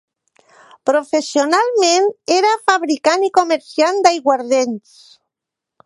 Professionalment era fabricant i comerciant d'aiguardents.